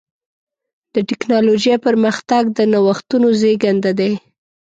د ټکنالوجۍ پرمختګ د نوښتونو زېږنده دی.